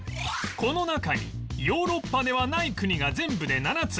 この中にヨーロッパではない国が全部で７つ